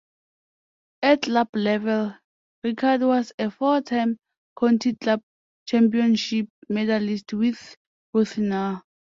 At club level Rackard was a four-time county club championship medalist with Rathnure.